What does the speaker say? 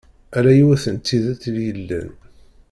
Ala yiwet n tidet i yellan.